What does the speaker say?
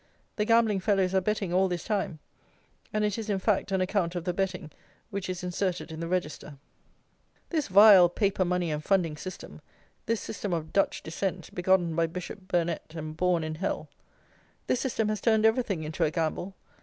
The gambling fellows are betting all this time; and it is, in fact, an account of the betting which is inserted in the Register. This vile paper money and funding system; this system of Dutch descent, begotten by Bishop Burnet, and born in hell; this system has turned everything into a gamble.